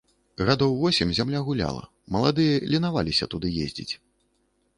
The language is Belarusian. Гадоў восем зямля гуляла, маладыя ленаваліся туды ездзіць.